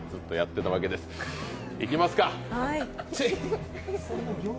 いきますか。